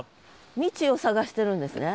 未知を探してるんですね？